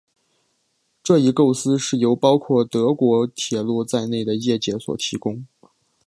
这一构思是由包括德国铁路在内的业界所提供。